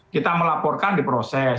kita melaporkan diproses